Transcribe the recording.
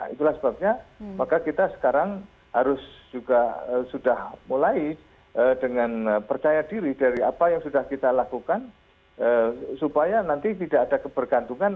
itulah sebabnya maka kita sekarang harus juga sudah mulai dengan percaya diri dari apa yang sudah kita lakukan supaya nanti tidak ada kebergantungan